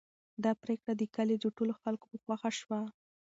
دا پرېکړه د کلي د ټولو خلکو په خوښه شوه.